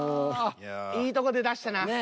いいとこで出したな。